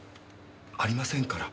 ありませんから。